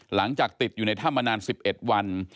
หลังจากติดอยู่ในถ้ำมานาน๑๑วัน